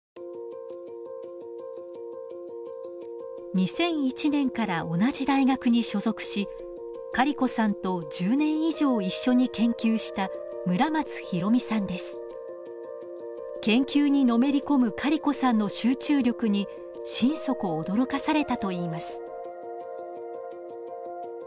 ２００１年から同じ大学に所属しカリコさんと１０年以上一緒に研究した研究にのめり込むカリコさんの集中力に心底驚かされたといいます。